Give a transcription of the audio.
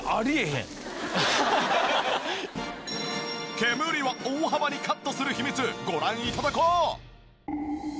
煙を大幅にカットする秘密ご覧頂こう！